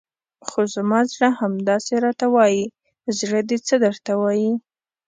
خو زما زړه همداسې راته وایي، زړه دې څه درته وایي؟